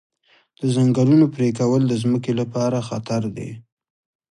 د ځنګلونو پرېکول د ځمکې لپاره خطر دی.